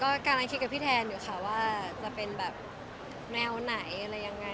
ก็กำลังคิดกับพี่แทนอยู่ค่ะว่าจะเป็นแบบแนวไหนอะไรยังไง